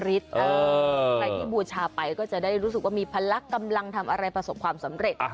ใครที่บูชาไปก็จะได้รู้สึกว่ามีพลักษณ์กำลังทำอะไรประสบความสำเร็จ